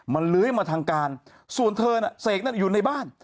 มันเลื้อยมาทางการส่วนเธอน่ะเสกนั่นอยู่ในบ้าน